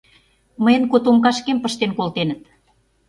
Мыйын котомкашкем пыштен колтеныт...